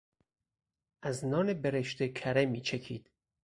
از نان برشته کره میچکید.